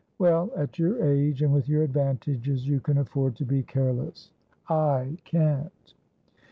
Well, at your age, and with your advantages, you can afford to be care less. I can't.'